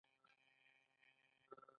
پانګوال نشي کولی د یوې ورځې په ګټه کار وکړي